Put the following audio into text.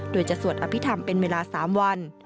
โดยจะสวดอภิษฐรรมเป็นเวลา๓วัน